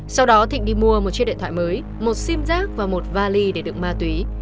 sau đó thịnh đi mua một chiếc điện thoại mới một sim giác và một vali để đựng ma túy